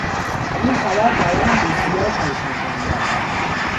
این خبر برایم بسیار پریشان کننده است.